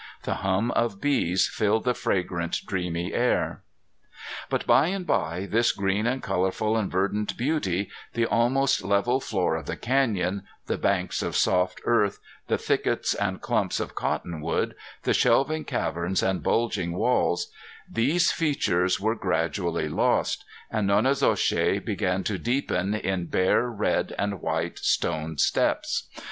The hum of bees filled the fragrant, dreamy air. But by and bye, this green and colorful and verdant beauty, the almost level floor of the canyon, the banks of soft earth, the thickets and clumps of cottonwood, the shelving caverns and bulging walls these features were gradually lost, and Nonnezoshe began to deepen in bare red and white stone steps.